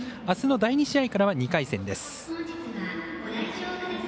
あすの第２試合からは２回戦です。